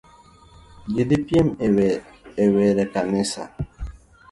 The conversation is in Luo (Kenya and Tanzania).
Ji dhi piem e wer kiny ekanisa.